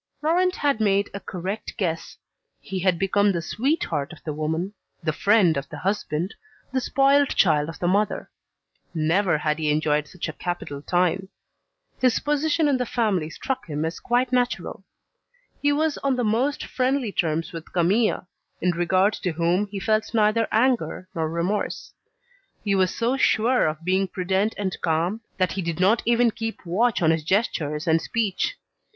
Laurent had made a correct guess: he had become the sweetheart of the woman, the friend of the husband, the spoilt child of the mother. Never had he enjoyed such a capital time. His position in the family struck him as quite natural. He was on the most friendly terms with Camille, in regard to whom he felt neither anger nor remorse. He was so sure of being prudent and calm that he did not even keep watch on his gestures and speech.